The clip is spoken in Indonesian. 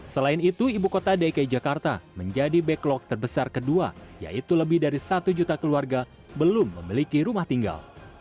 selain itu ibu kota dki jakarta menjadi backlog terbesar kedua yaitu lebih dari satu juta keluarga belum memiliki rumah tinggal